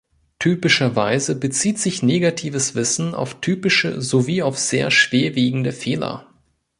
Typischerweise bezieht sich negatives Wissen auf typische sowie auf sehr schwerwiegende Fehler.